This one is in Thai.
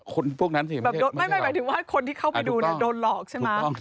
คนพวกนั้นไม่ใช่เราหมายถึงว่าคนที่เข้าไปดูน่ะโดนหลอกใช่ไหม